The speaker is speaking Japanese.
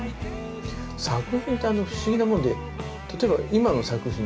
作品ってあの不思議なもんで例えば今の作品